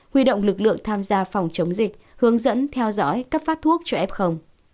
huy động lực lượng tham gia phòng chống dịch hướng dẫn theo dõi cấp phát thuốc cho ép không